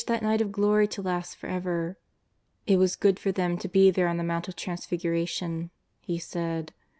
265 that night of glory to last for ever. It was good for them to be there on the Mount of Transfiguration, he said.